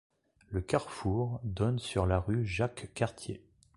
Le carrefour donne sur la rue Jacques-Cartier.